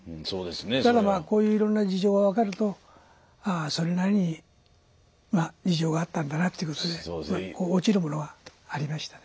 だからまあこういういろんな事情が分かるとああそれなりにまあ事情があったんだなっていうことでこう落ちるものはありましたね。